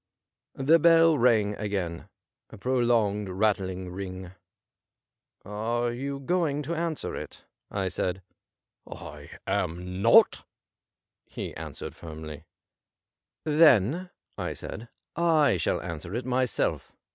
The bell rang again — a prolonged, rattling ring. ' Are you going to answer it .''' I said. 88 CASE OF VINCENT PYRWHIT ' I am not/ he answered firmly. ' Then/ I said, ' I shall answer it myself.